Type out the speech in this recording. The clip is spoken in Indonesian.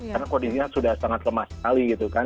karena kondisinya sudah sangat lemah sekali gitu kang